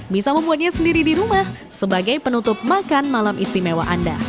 bisa membuatnya sendiri di rumah sebagai penutup makan malam istimewa anda